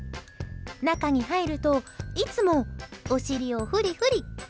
中に入るといつもお尻をフリフリ。